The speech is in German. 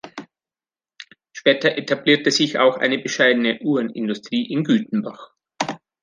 Später etablierte sich auch eine bescheidene Uhrenindustrie in Gütenbach.